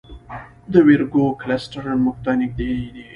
د ویرګو کلسټر موږ ته نږدې دی.